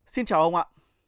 xin chào ông ạ